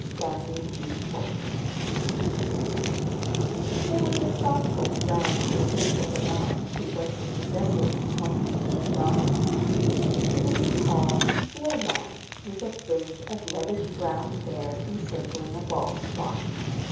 STANLEY G. FULTON There was a thoughtful frown on the face of the man who was the possessor of twenty million dollars. He was a tall, spare man, with a fringe of reddish brown hair encircling a bald spot.